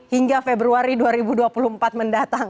hingga februari dua ribu dua puluh empat mendatang